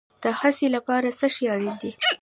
د هڅې لپاره څه شی اړین دی؟